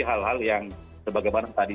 hal hal yang sebagaimana tadi